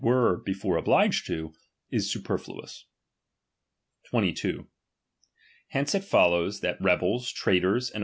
^ere before obliged to, is superfluous. 22. Hence it follows, that rebels, traitors, and A.